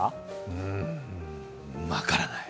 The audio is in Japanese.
うーん、分からない。